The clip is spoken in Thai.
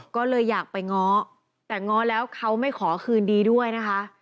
ก็เลยอยากไปง้อแต่ง้อแล้วเขาไม่ขอคืนดีด้วยนะคะ